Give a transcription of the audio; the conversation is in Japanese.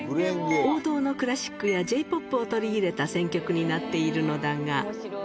王道のクラシックやＪーＰＯＰを取り入れた選曲になっているのだが。